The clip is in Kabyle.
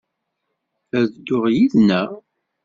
Ad tedduḍ yid-neɣ?